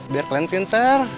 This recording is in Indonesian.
biar kalian pinter